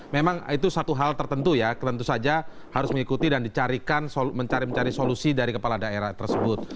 memang itu satu hal tertentu ya tentu saja harus mengikuti dan mencari mencari solusi dari kepala daerah tersebut